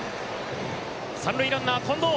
三塁ランナー近藤、